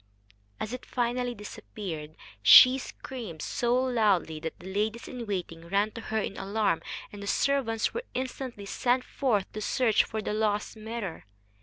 As it finally disappeared, she screamed so loudly that the ladies in waiting ran to her in alarm, and servants were instantly sent forth to search for the lost mirror.